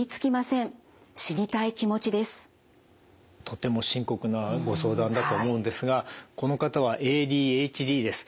とても深刻なご相談だと思うんですがこの方はＡＤＨＤです。